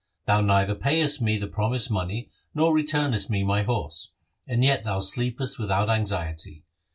Thou neither payest me the promised money nor returnest me my horse, and yet thou sleepest without anxiety.